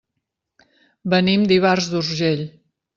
Venim d'Ivars d'Urgell.